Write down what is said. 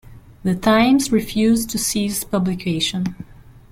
The "Times" refused to cease publication.